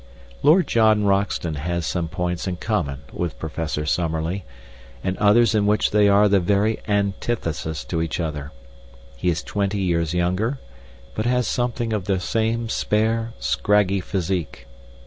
Lord John Roxton has some points in common with Professor Summerlee, and others in which they are the very antithesis to each other. He is twenty years younger, but has something of the same spare, scraggy physique.